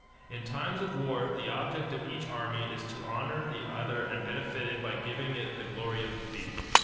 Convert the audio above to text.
In times of war the object of each army is to honor the other and benefit it by giving it the glory of defeat.